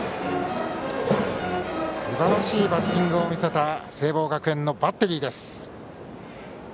すばらしいバッティングを見せた聖望学園のバッテリーです。